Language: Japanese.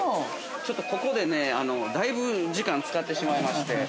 ◆ちょっとここでねだいぶ時間を使ってしまいまして。